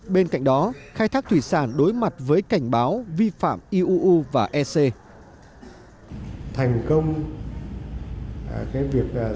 bên cạnh đó khai thác thủy sản đối mặt với cảnh báo vi phạm iuu và ec